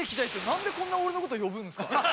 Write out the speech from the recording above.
何でこんな俺のこと呼ぶんですか？